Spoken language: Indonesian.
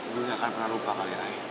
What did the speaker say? gue gak akan pernah lupa kali ya ay